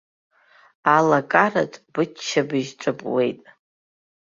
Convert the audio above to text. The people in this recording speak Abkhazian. Алакараҿ быччабыжь ҿыпуеит.